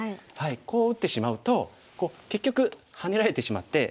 こう打ってしまうと結局ハネられてしまって。